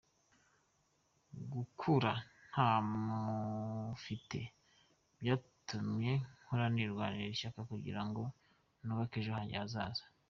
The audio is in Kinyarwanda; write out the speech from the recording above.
Gukura ntamufite byatumye nkura nirwanira ishyaka kugirango nubake ejo hanjye hazaza.